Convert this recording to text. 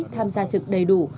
tham gia trực đầy đủ